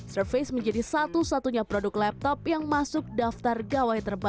surface menjadi satu satunya produk laptop yang masuk daftar gawai terbaik dua ribu tujuh belas